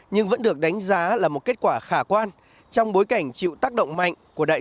nhưng vẫn được đánh giá là một kết quả khả quan trong bối cảnh chịu tác động mạnh của đại